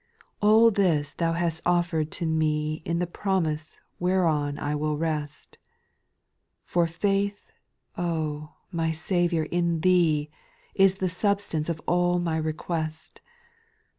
/ 5. ' All this Thou hast oflfer'd to me In the promise whereon I will rest ; For faith, oh, my Saviour, in Thee I Is the substance of all my request.